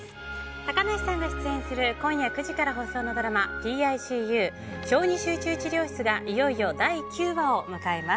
高梨さんが出演する今夜９時から放送のドラマ「ＰＩＣＵ小児集中治療室」がいよいよ第９話を迎えます。